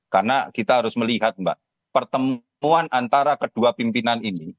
karena kita harus melihat mbak pertemuan antara kedua pimpinan ini